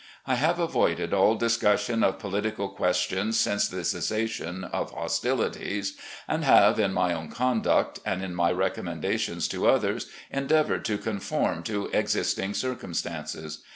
I have avoided all discussion of political questions since the cessation of hostilities, and have, in my own conduct, and in my recommendations to others, endeavoured to conform to existing circumstances.